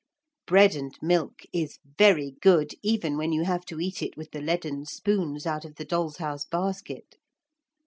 Bread and milk is very good even when you have to eat it with the leaden spoons out of the dolls' house basket.